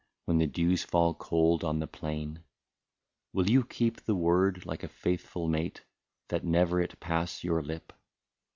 When the dews fall cold on the plain ; Will you keep the word like a faithful mate, That never it pass your lip.